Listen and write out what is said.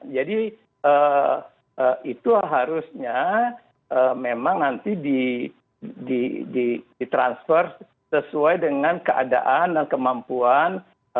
jadi itu harusnya memang nanti ditransfer sesuai dengan keadaan dan kemampuan